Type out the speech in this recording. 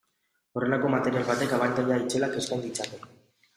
Horrelako material batek abantaila itzelak eskain ditzake.